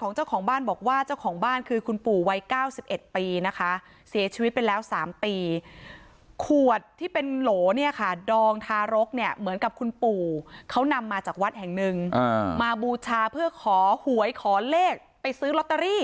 ของเจ้าของบ้านบอกว่าเจ้าของบ้านคือคุณปู่วัย๙๑ปีนะคะเสียชีวิตไปแล้ว๓ปีขวดที่เป็นโหลเนี่ยค่ะดองทารกเนี่ยเหมือนกับคุณปู่เขานำมาจากวัดแห่งหนึ่งมาบูชาเพื่อขอหวยขอเลขไปซื้อลอตเตอรี่